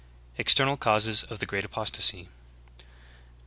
EXTERNAL CAUSES OF THE GREAT APOSTASY.